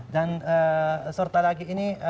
dan serta lagi ini